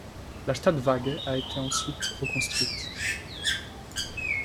La Stadtwaage a été ensuite reconstruite.